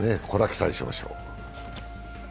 これは期待しましょう。